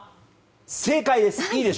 正解です。